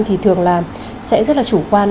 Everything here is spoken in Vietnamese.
thì thường là sẽ rất là chủ quan